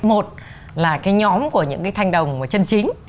một là cái nhóm của những cái thanh đồng mà chân chính